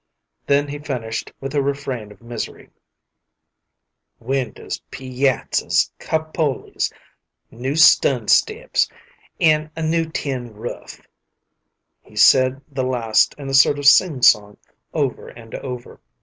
Then he finished with a refrain of misery, "Winders, piazzers, cupolys, new stun steps, and a new tin ruff." He said the last in a sort of singsong over and over.